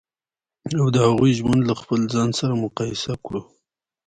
او د هغوی ژوند له خپل ځان سره مقایسه کړو.